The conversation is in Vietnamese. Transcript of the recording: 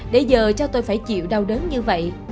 để giờ cho tôi phải chịu đau đớn như vậy